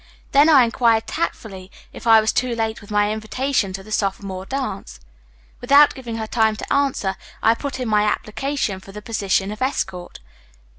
"Then I inquired tactfully if I was too late with my invitation to the sophomore dance. Without giving her time to answer I put in my application for the position of escort.